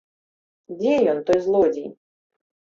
Дзе ён, той злодзей?